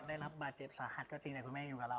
ได้รับบาดเจ็บสาหัสก็จริงแต่คุณแม่อยู่กับเรา